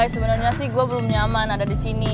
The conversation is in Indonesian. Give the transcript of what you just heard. sebenarnya sih gue belum nyaman ada di sini